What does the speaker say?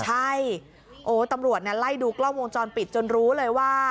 ใช่โอ้ตำรวจไล่ดูกล้องวงจรปิดจนรู้เลยว่า